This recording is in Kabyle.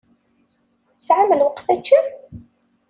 Tesɛam lweqt ad teččem?